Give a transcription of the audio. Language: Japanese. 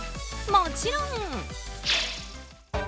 もちろん。